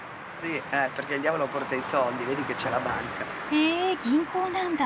へえ銀行なんだ。